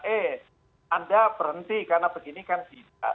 eh anda berhenti karena begini kan tidak